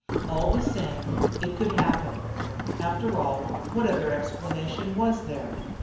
All the same, it could happen. After all, what other explanation was there?